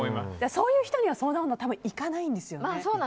そういう人には相談女はいかないんですよね。